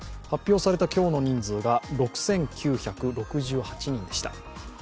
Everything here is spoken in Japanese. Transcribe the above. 発表された今日の人数が６９６８人でした。